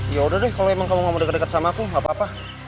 yaudah deh kalo emang kamu ga mau deket deket sama aku gapapa